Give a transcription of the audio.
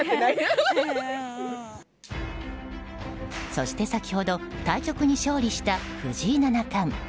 そして先ほど対局に勝利した藤井七冠。